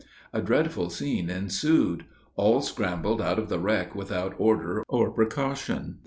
A dreadful scene ensued. All scrambled out of the wreck without order or precaution.